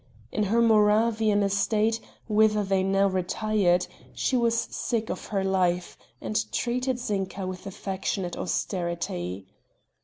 In her Moravian estate, whither they now retired, she was sick of her life, and treated Zinka with affectionate austerity.